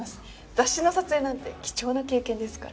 雑誌の撮影なんて貴重な経験ですから。